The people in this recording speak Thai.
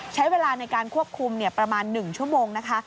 ใช้เวลาในการควบคุมประมาณ๑ชั่วโมงนะคะ